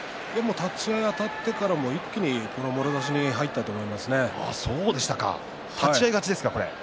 立ち合いあたってからも一気に、もろ差しに入ったと立ち合い勝ちですか。